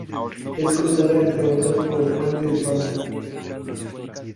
Es cruzada entre otros por el Puente España.